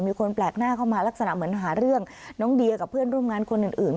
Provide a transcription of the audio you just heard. มีคนแปลกหน้าเข้ามาลักษณะเหมือนหาเรื่องน้องเดียกับเพื่อนร่วมงานคนอื่น